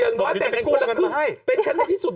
เดี๋ยวก่อนหนึ่งจะเป็นกู้เงินมาให้